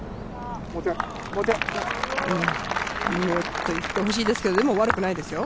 もっといってほしいですけれども悪くないですよ。